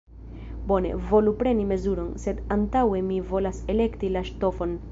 Bone, volu preni mezuron, sed antaŭe mi volas elekti la ŝtofon.